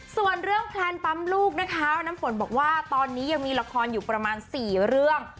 ส่วนเรื่องแพลนปั๊มลูกนะคะน้ำฝนบอกว่าตอนนี้ยังมีละครอยู่ประมาณ๔เรื่อง